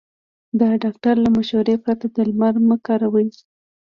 د ډاکټر له مشورې پرته درمل مه کاروئ.